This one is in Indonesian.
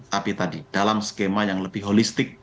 tapi tadi dalam skema yang lebih holistik